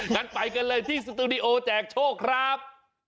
งั้นไปกันเลยที่สตูดิโอแจกโชคครับ